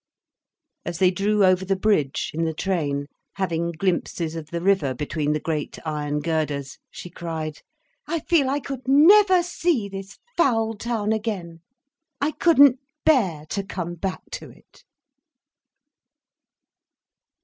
As they drew over the bridge, in the train, having glimpses of the river between the great iron girders, she cried: "I feel I could never see this foul town again—I couldn't bear to come back to it."